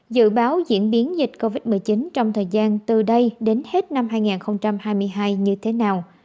dự báo diễn biến dịch covid một mươi chín trong thời gian từ đây đến hết năm hai nghìn hai mươi hai như thế nào